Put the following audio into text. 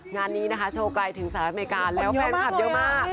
งานนี้นะคะโชว์ไกลถึงสหรัฐอเมริกาแล้วแฟนคลับเยอะมาก